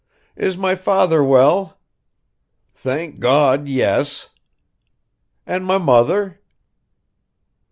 "Is my father well?" "Thank God, yes!" "And my mother?"